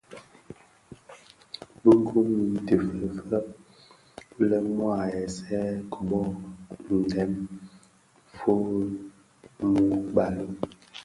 Bi gom yi ti feëfëg lè mua aghèsèè ki boo ndem fyeň mü gbali i.